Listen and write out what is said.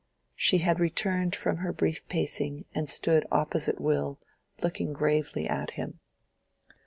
She had returned from her brief pacing and stood opposite Will, looking gravely at him.